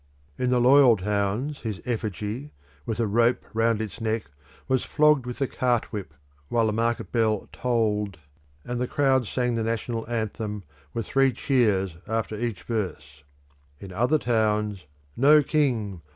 In the loyal towns his effigy, with a rope round its neck, was flogged with a cart whip, while the market bell tolled, and the crowd sang the national anthem, with three cheers after each verse. In other towns, "No King!